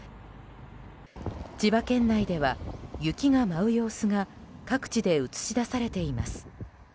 千葉県内では雪が舞う様子が各地で映し出されています。